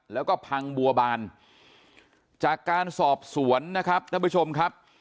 แล้วก็พังบัวบานจากการสอบสวนนะครับท่านผู้ชมครับ